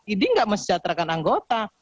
idi nggak mencecatrakan anggota